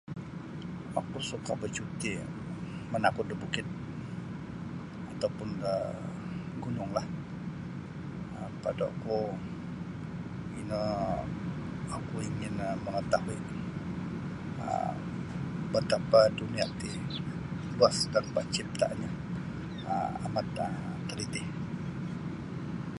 Oku suka bacuti manakud da bukid ataupun um gununglah um pada oku ino oku ingin um mangatahui um batapa dunia ti luas dan panciptanyo um amat um taliti.